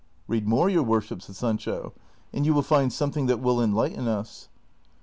" Read more, your Avorship," said Sancho, " and you will find something that will enlighten us."